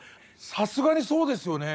さすがにそうですよね。